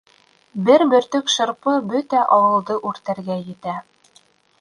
Бер бөртөк шырпы бөтә ауылды үртәргә етә.